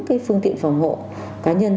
cái phương tiện phòng hộ cá nhân